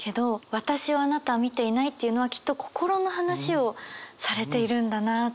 「わたしをあなたは見ていない」っていうのはきっと心の話をされているんだなっていう。